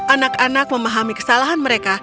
anak anak memahami kesalahan mereka